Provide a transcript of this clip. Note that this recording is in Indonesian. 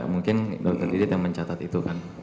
mungkin dokter didit yang mencatat itu kan